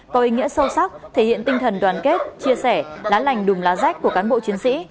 có ý nghĩa sâu sắc thể hiện tinh thần đoàn kết chia sẻ lá lành đùm lá rách của cán bộ chiến sĩ